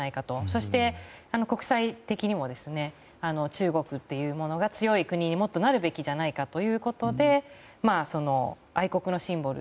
そして、国際的にも中国というものが強い国にもっとなるべきじゃないかということで愛国のシンボル。